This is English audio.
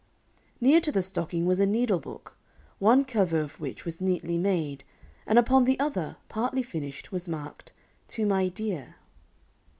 Near to the stocking was a needle book, one cover of which was neatly made, and upon the other, partly finished, was marked, "To my dear